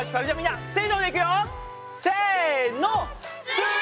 せの！